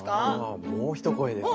あもう一声ですね。